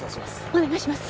お願いします。